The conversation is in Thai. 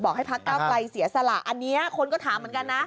ให้พักเก้าไกลเสียสละอันนี้คนก็ถามเหมือนกันนะ